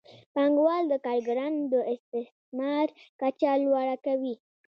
پانګوال د کارګرانو د استثمار کچه لوړه کوي